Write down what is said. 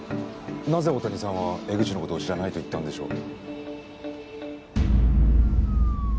なぜ大谷さんは江口の事を知らないと言ったんでしょう？